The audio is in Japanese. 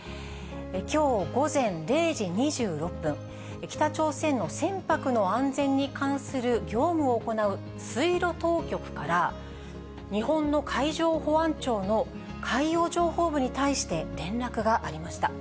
きょう午前０時２６分、北朝鮮の船舶の安全に関する業務を行う水路当局から、日本の海上保安庁の海洋情報部に対して連絡がありました。